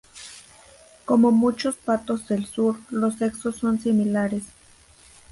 Como muchos patos del sur, los sexos son similares.